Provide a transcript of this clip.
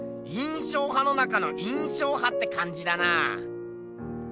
印象派の中の印象派ってかんじだなあ。